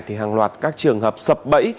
thì hàng loạt các trường hợp sập bẫy